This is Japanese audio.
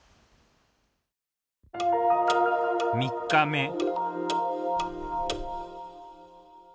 ３日目